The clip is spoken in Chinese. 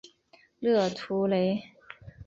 勒图雷。